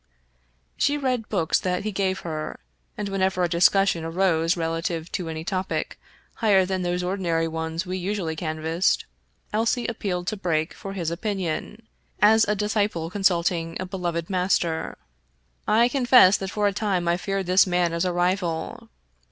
She read books that he gave her, and whenever a discussion arose relative to any topic higher than those ordinary ones we usually canvassed, Elsie appealed to Brake for his opin ion, as a disciple consulting a beloved master. I confess that for a time I feared this man as a rival.